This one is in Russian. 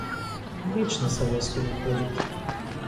Вечно с авоськами ходит.